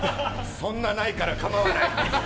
そんなないから構わない。